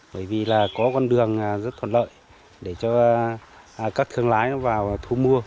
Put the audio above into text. bởi vì là có con đường rất thuận lợi để cho các thương lái vào thu mua